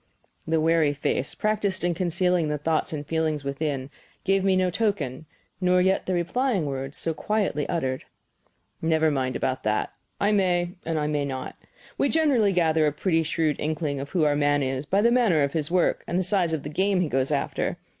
The wary face, practised in concealing the thoughts and feelings within, gave me no token, nor yet the replying words, so quietly uttered: "Never mind about that. I may, and I may not. We generally gather a pretty shrewd inkling of who our man is by the manner of his work and the size of the game he goes after.